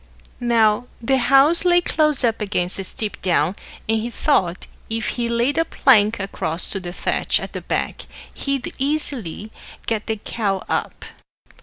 Now the house lay close up against a steep down, and he thought if he laid a plank across to the thatch at the back he'd easily get the cow up.